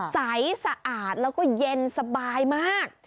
สะอาดแล้วก็เย็นสบายมาก